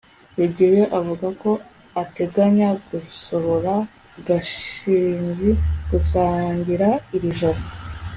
rugeyo avuga ko ateganya gusohora gashinzi gusangira iri joro